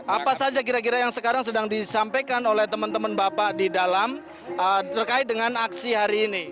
apa saja kira kira yang sekarang sedang disampaikan oleh teman teman bapak di dalam terkait dengan aksi hari ini